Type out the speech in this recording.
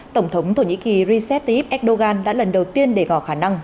tổng thống thổ nhĩ kỳ recep tayyip erdogan đã lần đầu tiên đề ngỏ khả năng